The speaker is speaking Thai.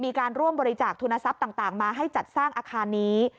มีการร่วมบริจาคทุนทรัพย์ต่างมาให้จัดสร้างอาคารนี้